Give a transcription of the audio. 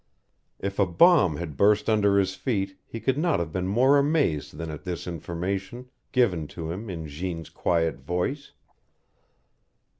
If a bomb had burst under his feet he could not have been more amazed than at this information, given to him in Jeanne's quiet voice.